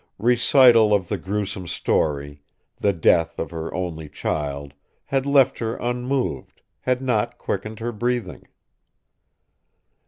Recital of the gruesome story, the death of her only child, had left her unmoved, had not quickened her breathing.